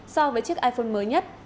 so với chiếc iphone mới nhất